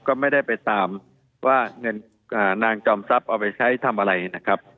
ก็ไม่ได้ไปตามว่าเงินนางจอมทรัพย์เอาไปใช้ทำอะไรนะครับ